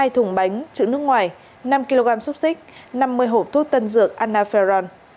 hai thùng bánh chữ nước ngoài năm kg xúc xích năm mươi hộp thuốc tân dược anaferon